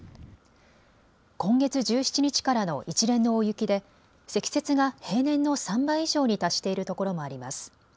今月１７日からの一連の大雪で積雪が平年の３倍以上に達しているところもあります。